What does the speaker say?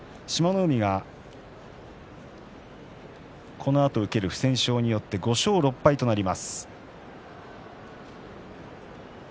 海が、このあとに受ける不戦勝によって５勝６敗となります。